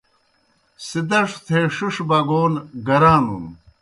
سِدَڇھوْ تھے ݜِݜ بگَون گرانُن۔